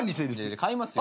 買いますよ。